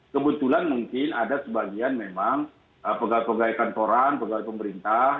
kebetulan mungkin ada sebagian memang pegawai pegawai kantoran pegawai pemerintah